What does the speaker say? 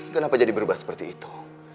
kenapa jadi berubah seperti itu